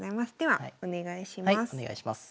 はいお願いします。